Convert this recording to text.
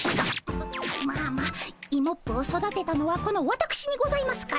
ままあまあイモップを育てたのはこのわたくしにございますから。